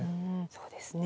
そうですね。